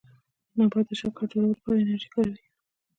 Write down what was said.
نبات د شکر جوړولو لپاره انرژي کاروي